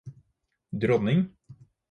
dronning